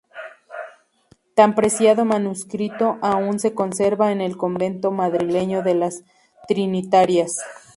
Tan preciado manuscrito aún se conserva en el convento madrileño de las Trinitarias.